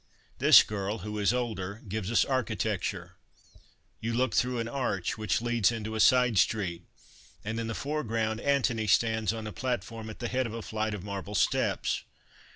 This girl, who is older, gives us architecture ; you look through an arch, which leads into a side street, and, in the foreground, Antony stands on a platform at the head of a flight ot marble steps.